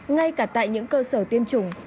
ngay cả tại những cơ sở tiêm chủng